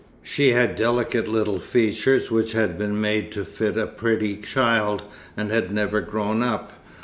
She had delicate little features which had been made to fit a pretty child, and had never grown up.